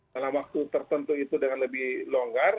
dalam waktu tertentu itu dengan lebih longgar